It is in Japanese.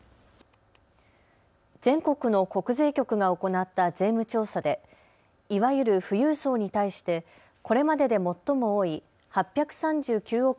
全国の国税局が行った税務調査でいわゆる富裕層に対してこれまでで最も多い８３９億